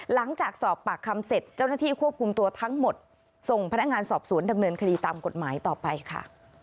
หลังจากสอบปากคำเสร็จเจ้าหน้าที่ควบคุมตัวทั้งหมดส่งพนักงานสอบสวนดำเนินคดีตามกฎหมายต่อไปค่ะ